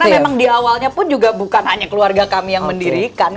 karena memang diawalnya pun juga bukan hanya keluarga kami yang mendirikan